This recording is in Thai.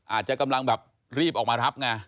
อาจจะกำลังแบบรีบออกมารับไง